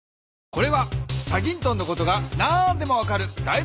これは『チャギントン』のことが何でも分かるだい